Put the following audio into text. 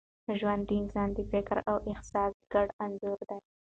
ژوند د انسان د فکر او احساس ګډ انځور دی.